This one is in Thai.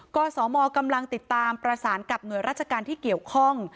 กศมกำลังติดตามประสานกับหน่วยราชการที่เกี่ยวข้อง